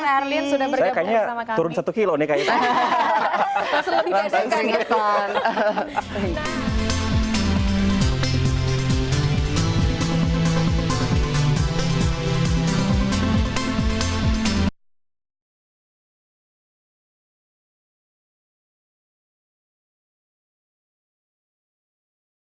arlene sudah bergabung sama kaki turun satu kilo nih kayaknya pasal lebih kaya sekali